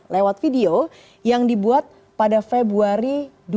lewat video yang dibuat pada februari dua ribu dua puluh